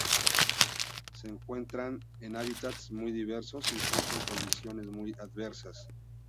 Se encuentran en hábitats muy diversos, incluso en condiciones muy adversas.